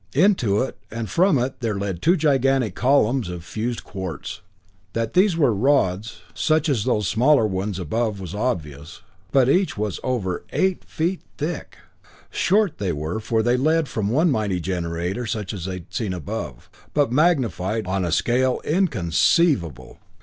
Into it, and from it there led two gigantic columns of fused quartz. That these were rods, such as those smaller ones above was obvious, but each was over eight feet thick! Short they were, for they led from one mighty generator such as they had seen above, but magnified on a scale inconceivable!